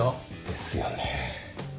ですよね。